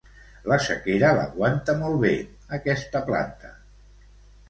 La sequera l'aguanta molt bé, aquesta planta.